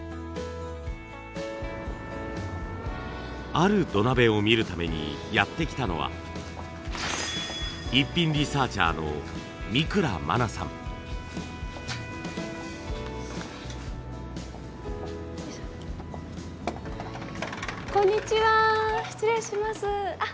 ある土鍋を見るためにやって来たのはこんにちは失礼します。